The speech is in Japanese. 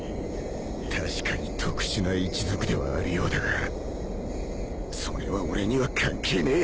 たしかに特殊な一族ではあるようだがそれは俺には関係ねえ